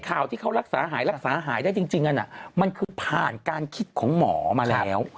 ข่าวที่เขารักษาหายรักษาหายได้จริงมันคือผ่านการคิดของหมอมาแล้ว